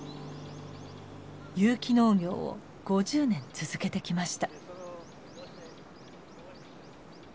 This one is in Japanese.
有機農業を５０年続けてきました。